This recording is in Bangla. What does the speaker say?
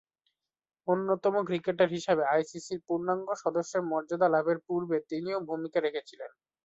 অন্যতম ক্রিকেটার হিসেবে আইসিসি’র পূর্ণাঙ্গ সদস্যের মর্যাদা লাভের পূর্বে তিনিও ভূমিকা রেখেছিলেন।